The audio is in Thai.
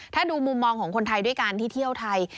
ถ้าดูมุมมองของคนไทยด้วยการที่เที่ยวไทย